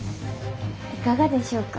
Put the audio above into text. いかがでしょうか？